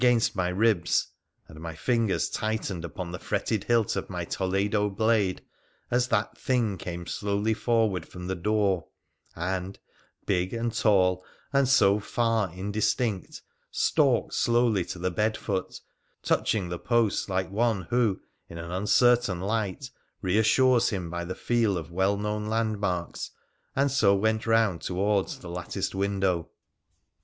3 WONDERFUL ADVENTURES OF my ribs, and my fingers tightened upon the fretted hilt of my Toledo blade, as that thing came slowly forward from the door, and, big and tall, and so far indistinct, stalked slowly to the bed foot, touching the posts like one who, in an uncertain light, reassures him by the feel of well known landmarks, and so went round towards the latticed window.